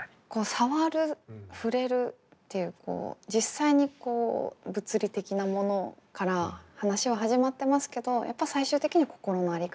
さわるふれるっていう実際に物理的なものから話は始まってますけどやっぱ最終的には心の在り方。